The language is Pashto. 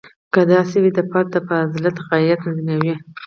که داسې وشي د فرد بالذات غایه نقضیږي.